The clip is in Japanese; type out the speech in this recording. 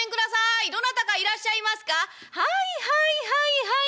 「はいはいはいはい。